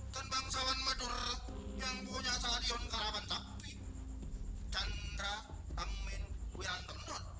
kamu dan fatima menikah dulu